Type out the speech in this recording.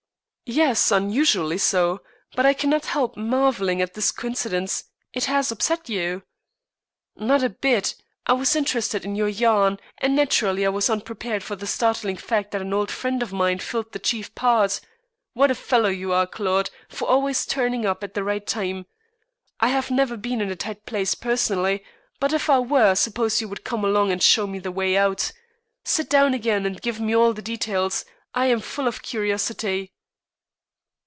"Yes, unusually so. But I cannot help marvelling at this coincidence. It has upset you." "Not a bit. I was interested in your yarn, and naturally I was unprepared for the startling fact that an old friend of mine filled the chief part. What a fellow you are, Claude, for always turning up at the right time. I have never been in a tight place personally, but if I were I suppose you would come along and show me the way out. Sit down again and give me all the details. I am full of curiosity."